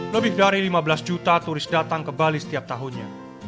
lebih dari lima belas juta turis datang ke bali setiap tahunnya